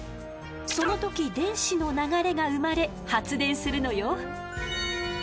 その時、電子の流れが生まれ発電するのよ。